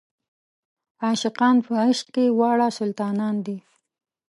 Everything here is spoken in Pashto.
عاشقان په عشق کې واړه سلطانان دي.